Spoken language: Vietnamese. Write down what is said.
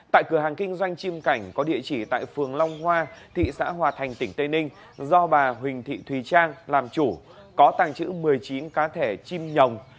tại cửa hàng kinh doanh chim cảnh có địa chỉ tại phường long hoa thị xã hòa thành tỉnh tây ninh do bà huỳnh thị thùy trang làm chủ có tàng trữ một mươi chín cá thể chim nhồng